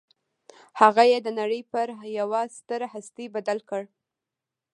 هغه يې د نړۍ پر يوه ستره هستي بدل کړ.